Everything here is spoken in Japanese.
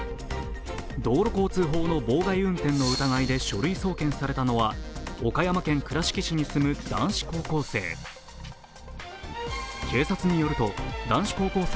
道路交通法の妨害運転の疑いで書類送検されたのは岡山県倉敷市に住む男子高校生。